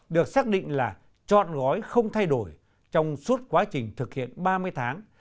được xác định là chọn gói không thay đổi trong suốt quá trình thực hiện ba mươi tháng